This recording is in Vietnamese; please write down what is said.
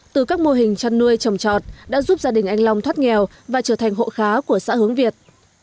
từ các mô hình chăn nuôi trồng trọt đã giúp gia đình anh long thoát nghèo và trở thành hộ khá của xã hướng việt